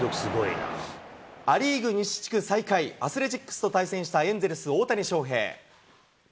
ア・リーグ西地区最下位、アスレチックスと対戦したエンゼルス、大谷翔平。